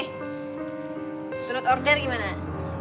menurut order gimana